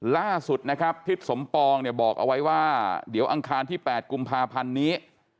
ล่าสุดนะครับทิศสมปองเนี่ยบอกเอาไว้ว่าเดี๋ยวอังคารที่๘กุมภาพันธ์นี้